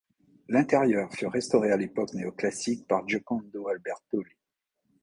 L'intérieur fut restauré à l'époque néoclassique par Giocondo Albertolli.